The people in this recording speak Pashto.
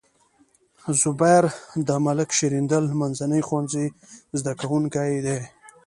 زبير د ملک شیریندل منځني ښوونځي زده کوونکی دی.